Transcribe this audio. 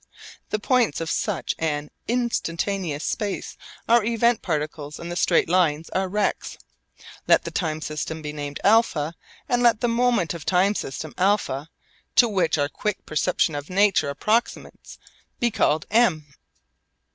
The points of such an instantaneous space are event particles and the straight lines are rects. Let the time system be named α, and let the moment of time system α to which our quick perception of nature approximates be called M.